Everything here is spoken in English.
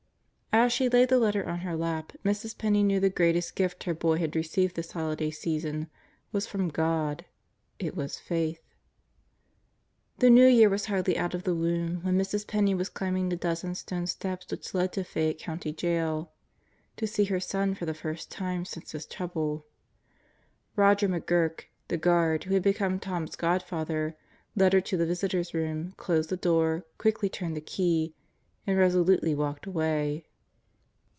As she laid the letter on her lap, Mrs. Penney knew the greatest gift her boy had received this holiday season was from God. It was Faith. The New Year was hardly out of the womb when Mrs. Penney was climbing the dozen stone steps which lead to Fayette County Jail, to see her son for the first time since his trouble. Roger McGuirk, the guard, who had become Tom's godfather, led her to the Visitors' Room, closed the door, quickly turned the key, and resolutely walked away.